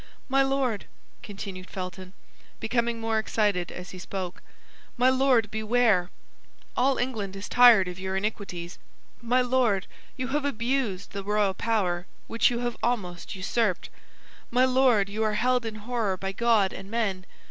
"My Lord," continued Felton, becoming more excited as he spoke, "my Lord, beware! All England is tired of your iniquities; my Lord, you have abused the royal power, which you have almost usurped; my Lord, you are held in horror by God and men.